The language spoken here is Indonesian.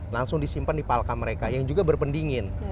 langsung disimpan di palka mereka yang juga berpendingin